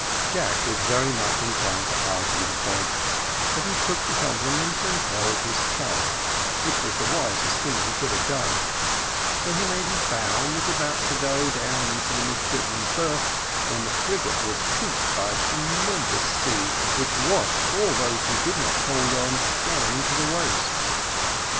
Jack was very much inclined to argue the point, but he took the compliment and held his tongue, which was the wisest thing he could have done; so he made his bow, and was about to go down into the midshipmen's berth when the frigate was pooped by a tremendous sea, which washed all those who did not hold on down into the waist.